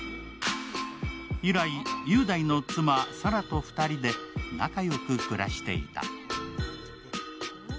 以来、雄大の妻・沙羅と２人で仲良く暮らしていた。